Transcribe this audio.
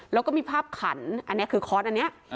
แล้วก็มีภาพขันอันเนี้ยคือคอนอันเนี้ยอ่า